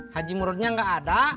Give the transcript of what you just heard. haji murudnya gak ada